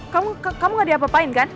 kamu gak diapa apain kan